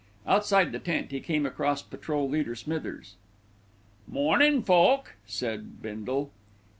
Outside the tent, he came across Patrol leader Smithers. "Mornin' Foch," said Bindle.